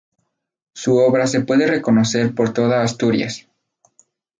Su obra se puede reconocer por toda Asturias.